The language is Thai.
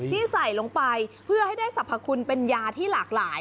ที่ใส่ลงไปเพื่อให้ได้สรรพคุณเป็นยาที่หลากหลาย